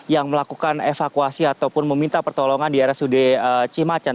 yang melakukan evakuasi ataupun meminta pertolongan di rsud cimacan